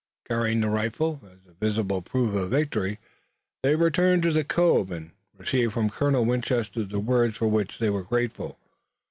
Carrying the rifle, as the visible proof of victory, they returned to the cove, and received from Colonel Winchester the words for which they were grateful.